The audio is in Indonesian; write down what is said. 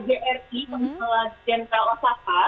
kjri adalah jenderal osaka